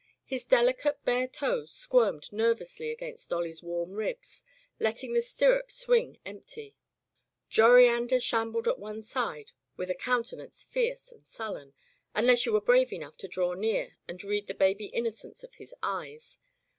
His delicate bare toes squirmed nervously against Dolly's warm ribs, letting the stirrup swing empty, Jori ander shambled at one side with a counte nance fierce and sullen — ^unless you were brave enough to draw near and read the baby innocence of his eyes.